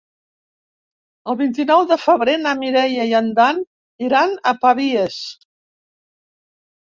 El vint-i-nou de febrer na Mireia i en Dan iran a Pavies.